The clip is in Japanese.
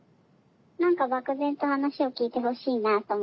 何か漠然と話を聞いてほしいなと思って。